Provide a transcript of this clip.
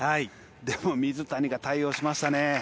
でも水谷が対応しましたね。